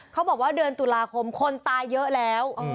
เขาบอกว่าเดือนตุลาคมคนตายเยอะแล้ว